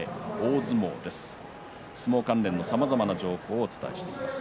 相撲関連のさまざまな情報をお伝えしています。